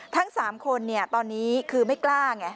ทั้ง๓คนตอนนี้คือไม่กล้าไง